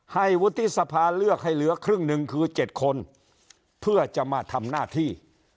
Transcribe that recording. วุฒิสภาเลือกให้เหลือครึ่งหนึ่งคือ๗คนเพื่อจะมาทำหน้าที่